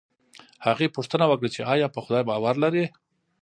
هغې پوښتنه وکړه چې ایا په خدای باور لرې